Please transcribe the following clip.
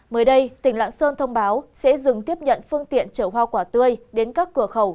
mới đây tỉnh lạng sơn thông báo sẽ dừng tiếp nhận phương tiện chở hoa quả tươi đến các cửa khẩu